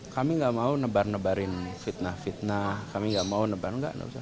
kami nggak mau nebar nebarin fitnah fitnah kami nggak mau nebar nggak